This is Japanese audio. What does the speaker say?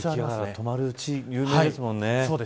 止まる地域で有名ですもんね。